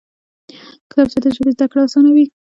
کتابچه د ژبې زده کړه اسانوي